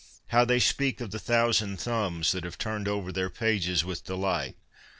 How they speak of the thousand thumbs that have turned over their pages with delight !